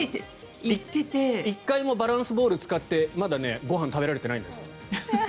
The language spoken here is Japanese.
１回もバランスボールを使ってまだご飯を食べられてないんです。